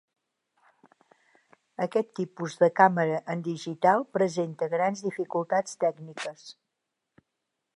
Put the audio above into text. Aquest tipus de càmera en digital presenta grans dificultats tècniques.